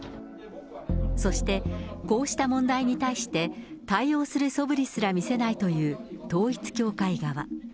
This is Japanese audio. そして、こうした問題に対して、対応するそぶりすら見せないという、統一教会側。